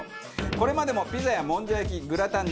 これまでもピザやもんじゃ焼きグラタン